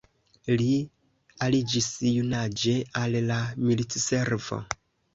Li aliĝis junaĝe al la militservo.